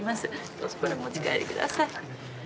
どうぞこれお持ち帰りください。